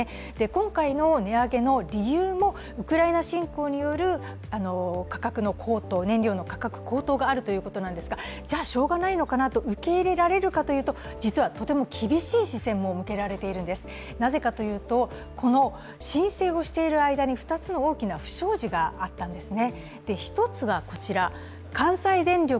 今回の値上げの理由もウクライナ侵攻による燃料の価格高騰があるということなんですが、じゃ、しようがないのかなと受け入れられるかというと実はとても厳しい視線も向けられているんですなぜかというと、申請をしている間に２つの大きな不祥事があったんですね。